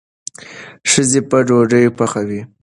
ښځې به ډوډۍ پخوي.